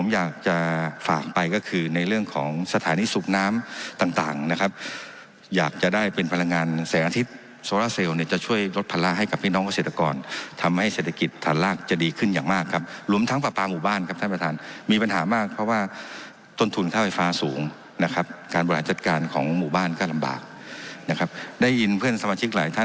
อยากจะได้เป็นพลังวันนาฬิชย์เหลือแสงอาทิตย์สวรรษเซลเนี่ยจะช่วยลดภาระให้กับพี่น้องเศรษฐกรทำให้เศรษฐกิจฐานรากจะดีขึ้นอย่างมากครับลุ้มทั้งประมาณหมู่บ้านครับท่านประธานมีปัญหามากเพราะว่าต้นทุนค่าไฟฟ้าสูงนะครับการบรรยาชัดการเข้าหมู่บ้านก็ลำบากนะครับได้ยินเพื่อนสมาชิก